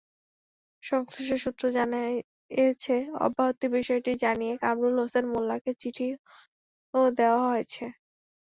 সংশ্লিষ্ট সূত্র জানিয়েছে, অব্যাহতির বিষয়টি জানিয়ে কামরুল হোসেন মোল্লাকে চিঠিও দেওয়া হয়েছে।